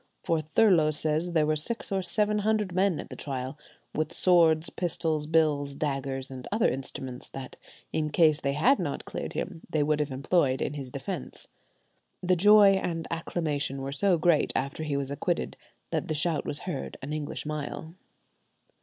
For Thurloe says there were six or seven hundred men at the trial, with swords, pistols, bills, daggers, and other instruments, that, in case they had not cleared him, they would have employed in his defence. The joy and acclamation were so great after he was acquitted that the shout was heard an English mile.